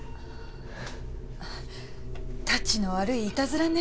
たちの悪いいたずらね。